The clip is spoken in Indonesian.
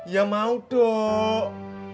ya mau dok